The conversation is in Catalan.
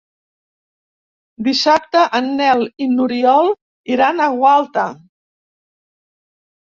Dissabte en Nel i n'Oriol iran a Gualta.